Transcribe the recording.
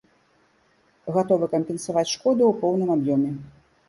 Гатовы кампенсаваць шкоду ў поўным аб'ёме.